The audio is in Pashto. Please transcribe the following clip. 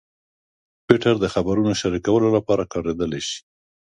ټویټر د خبرونو شریکولو لپاره کارېدلی شي.